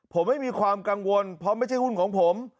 ผมไม่มีความกังวลเพราะไม่ใช่หุ้นของผม